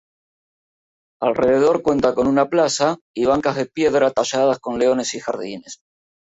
Alrededor cuenta con una plaza y bancas de piedra talladas con leones y jardines.